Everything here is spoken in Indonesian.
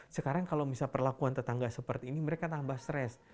sekarang kalau misal perlakuan tetangga seperti ini mereka tambah stres